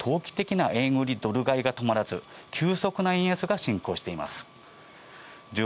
このため投機的な円売りやドル買いが止まらず、急速な円安が進行しています。